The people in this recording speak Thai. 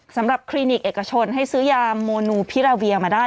คลินิกเอกชนให้ซื้อยาโมนูพิราเวียมาได้